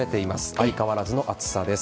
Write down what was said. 相変わらずの暑さです。